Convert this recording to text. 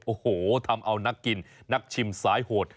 โอ้โหทำเอานักกินนักชิมสายโหด